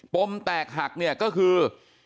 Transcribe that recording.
ปมแตกหักก็คือ